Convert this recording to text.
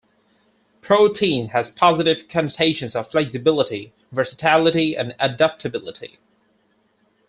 "Protean" has positive connotations of flexibility, versatility and adaptability.